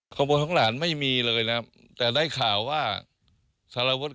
ของบทท้องหลานไม่มีเลยนะแต่ได้ข่าวว่าสารวุฒิ